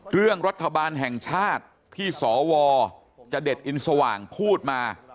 เรื่องรัฐบาลแห่งชาติที่สวจะเด็ดอินสว่างพูดมา